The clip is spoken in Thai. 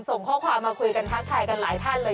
ส่งข้อความมาคุยกันทักทายกันหลายท่านเลย